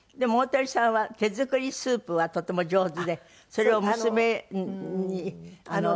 鳳さんは手作りスープはとても上手でそれを娘に届ける。